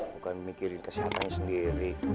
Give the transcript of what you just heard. bukan mikirin kesehatan sendiri